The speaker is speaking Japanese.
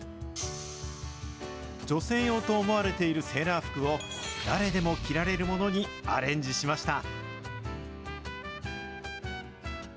女性用と思われているセーラー服を誰でも着られるものにアレンジしました。